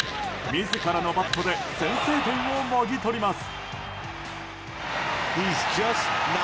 自らのバットで先制点をもぎ取ります。